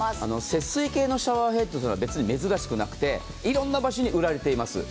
節水系のシャワーヘッドは別に珍しくなくて、いろんな場所で売られています。